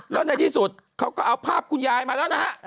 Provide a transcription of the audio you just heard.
แล้วในที่สุดเขาก็เอาภาพคุณยายมาแล้วนะฮะ